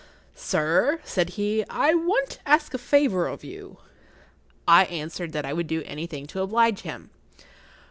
"Sir," said he, "I want to ask a favour of you." I answered that I would do anything to oblige him.